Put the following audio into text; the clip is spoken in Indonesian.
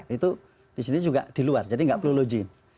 itu disini juga di luar jadi nggak perlu login